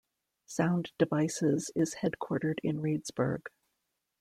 Sound Devices is headquartered in Reedsburg.